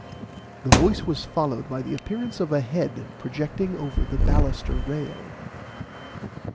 The voice was followed by the appearance of a head projecting over the baluster rail.